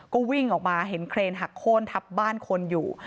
ก็วิ่งออกมาเห็นเครนหักโค้นทับบ้านคนอยู่